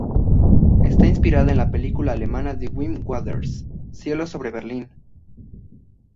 Está inspirada en la película alemana de Wim Wenders, Cielo sobre Berlín.